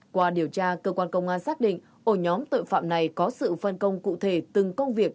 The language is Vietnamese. qua điều tra cơ quan công an xác định ổ nhóm tội phạm này có sự phân công cụ thể từng công việc